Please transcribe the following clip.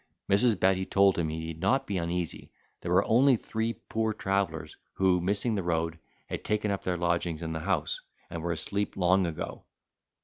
Mrs. Betty told him he need not be uneasy: there were only three poor travellers, who, missing the road, had taken up their lodgings in the house, and were asleep long ago.